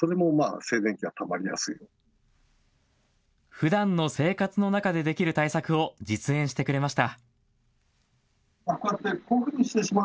ふだんの生活の中でできる対策を実演してくれました。